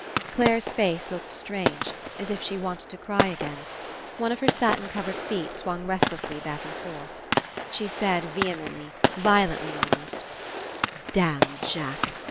Claire's face looked strange, as if she wanted to cry again. One of her satin covered feet swung restlessly back and forth. She said vehemently, violently almost: "Damn Jack!